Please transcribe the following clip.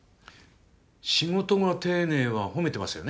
仕事が丁寧は褒めてますよね。